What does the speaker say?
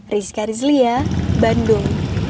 rizka rizlia bandung